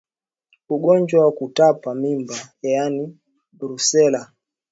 Ugonjwa wa kutupa mimba yaani Brusela